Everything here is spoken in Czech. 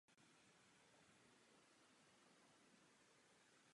Tělo pak mělo být převezeno do krematoria v Mostu.